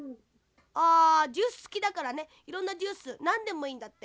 あジュースつきだからねいろんなジュースなんでもいいんだって。